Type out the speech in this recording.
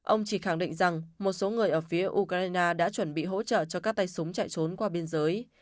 ông chỉ khẳng định rằng một số người ở phía ukraine đã chuẩn bị hỗ trợ cho các tay súng chạy trốn qua biên giới